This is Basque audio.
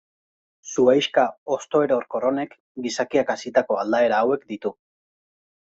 Zuhaixka hosto-erorkor honek gizakiak hazitako aldaera hauek ditu.